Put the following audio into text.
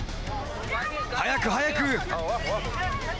早く早く。